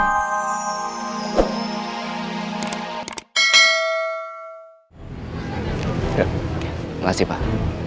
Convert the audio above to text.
terima kasih pak